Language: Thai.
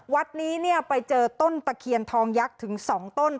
วัดนี้ไปเจอต้นตะเคียนทองยักษ์ถึง๒ต้น